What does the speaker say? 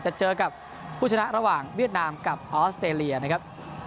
จะเจอกับผู้ชนะระหว่างเวียดนามกับออสเตรเลียนะครับ